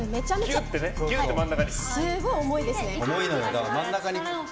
すごい重いですね。